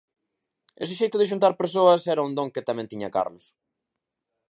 Ese xeito de xuntar persoas era un don que tamén tiña Carlos.